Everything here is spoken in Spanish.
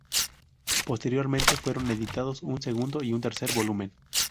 Posteriormente fueron editados un segundo y tercer volumen.